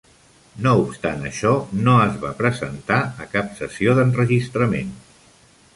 No obstant això, no es va presentar a cap sessió d'enregistrament.